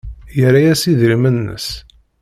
Yerra-as idrimen-nnes.